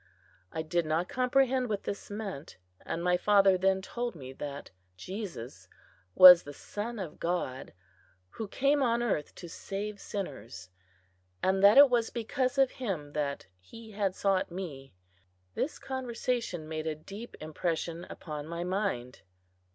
I did not comprehend what this meant; and my father then told me that Jesus was the Son of God who came on earth to save sinners, and that it was because of him that he had sought me. This conversation made a deep impression upon my mind.